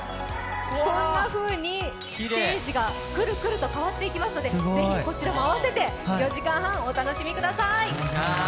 こんなふうにステージがくるくると変わっていきますので、是非、こちらも合わせて４時間半お楽しみください。